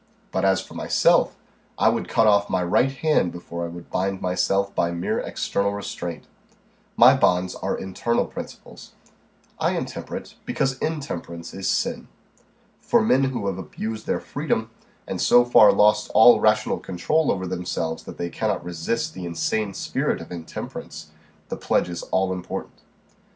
But as for myself, I would cut off my right hand before I would bind myself by mere external restraint. My bonds are internal principles. I am temperate because intemperance is sin. For men who have abused their freedom, and so far lost all rational control over themselves that they cannot resist the insane spirit of intemperance, the pledge is all important.